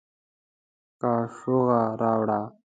کاشوغه راوړه